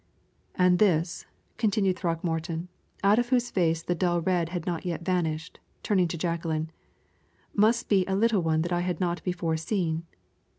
"And this," continued Throckmorton, out of whose face the dull red had not yet vanished, turning to Jacqueline, "must be a little one that I have not before seen.